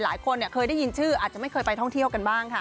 หลายคนเคยได้ยินชื่ออาจจะไม่เคยไปท่องเที่ยวกันบ้างค่ะ